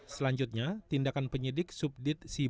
selanjutnya tindakan penyidik subdit siber